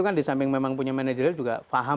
kan di samping memang punya manajer juga paham